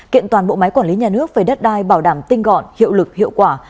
kiện toàn bộ máy quản lý nhà nước về đất đai bảo đảm tinh gọn hiệu lực hiệu quả